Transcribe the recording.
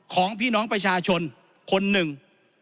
ของพี่น้องประชาชนคนหนึ่ง